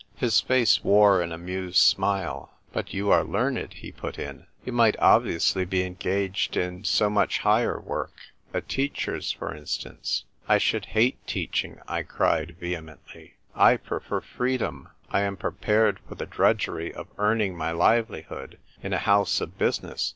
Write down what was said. His face wore an amused smile. " But you are learned," he put in. "You might obviovtsly be engaged in so much higher work — a teacher's, for instance." " I should hate teaching !" I cried vehe mently, " I prefer freedom. I am prepared for th<: drudgery of earning my livelihood in a house of business.